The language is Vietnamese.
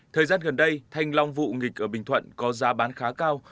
thời gian gần đây thanh long vụ nghịch ở bình thuận có giá bán khá cao